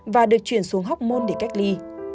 và được chuyển xuống hoc mon để cách ly